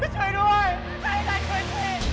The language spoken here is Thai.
ช่วยด้วยใครล่ะช่วยผิด